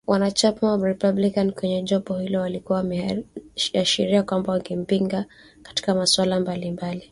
Wanachama wa Republican kwenye jopo hilo walikuwa wameashiria kwamba wangempinga katika masuala mbalimbali